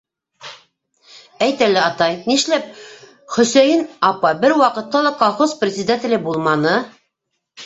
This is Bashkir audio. Әйт әле, атай: нишләп Хөсәйен апа бер ваҡытта ла колхоз председателе булманы?